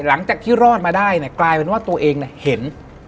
หลังจากที่รอดมาได้เนี่ยกลายเป็นว่าตัวเองเห็น